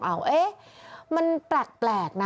เอาเอ๊ะมันแปลกนะ